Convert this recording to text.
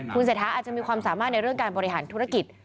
คุณเศรษฐาอาจจะมีความสามารถในเรื่องการบริหารธุรกิจ